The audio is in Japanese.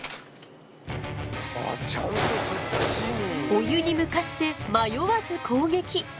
お湯に向かって迷わず攻撃！